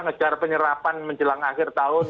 agar penyerapan menjelang akhir tahun